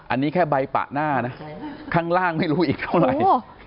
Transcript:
อันนี้แค่ใบปะหน้านะข้างล่างไม่รู้อีกเท่าไหร่